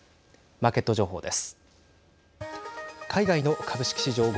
マーケット情報です。